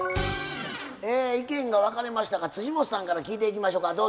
え意見が分かれましたが本さんから聞いていきましょか。